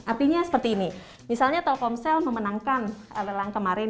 artinya seperti ini misalnya telkomsel memenangkan lelang kemarin